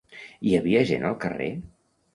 Hi havia gent al carrer?